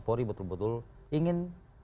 polri betul betul ingin